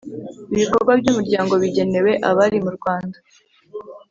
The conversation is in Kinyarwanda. Ibikorwa by Umuryango bigenewe abari mu rwanda